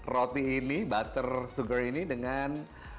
roti ini butter sugar ini dengan